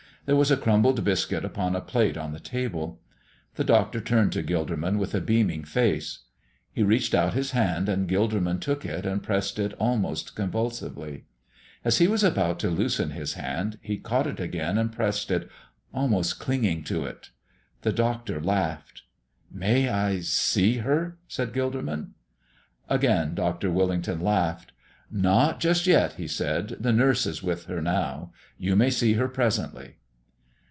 There was a crumbled biscuit upon a plate on the table. The doctor turned to Gilderman with a beaming face. He reached out his hand, and Gilderman took it and pressed it almost convulsively. As he was about to loosen his hand he caught it again and pressed it, almost clinging to it. The doctor laughed. "May I see her?" said Gilderman. Again Dr. Willington laughed. "Not just yet," he said; "the nurse is with her now. You may see her presently."